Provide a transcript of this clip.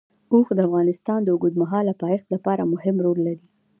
اوښ د افغانستان د اوږدمهاله پایښت لپاره مهم رول لري.